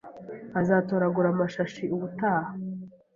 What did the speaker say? Azatoragura amashashi ubutaha